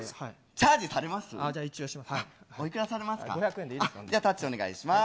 チャージされます？